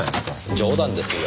冗談ですよ。